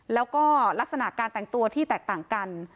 แล้วก็ลักษณะการแต่งตัวที่แตกต่างกัน